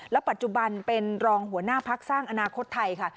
ปัจจุบันเป็นรองหัวหน้าพักสร้างอนาคตไทยค่ะ